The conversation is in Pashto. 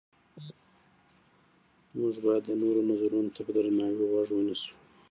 موږ باید د نورو نظرونو ته په درناوي غوږ ونیسو